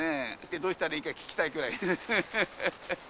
どうしたらいいか聞きたいくらい。